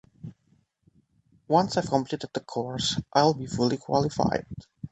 Once I've completed the course, I’ll be fully qualified.